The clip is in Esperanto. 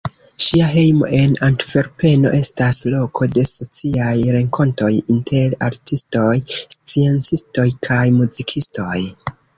Ŝia hejmo en Antverpeno estas loko de sociaj renkontoj inter artistoj, sciencistoj kaj muzikistoj.